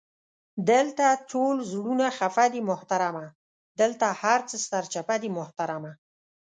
دالته ټول زړونه خفه دې محترمه، دالته هر څه سرچپه دي محترمه!